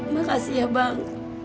makasih ya bang